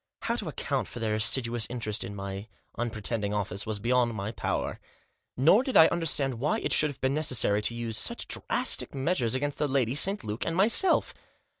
How to account for their assiduous interest in my unpretending office was beyond my power. Nor did I understand why it should have been necessary to use quite such drastic measures against the lady, St. Luke, and myself.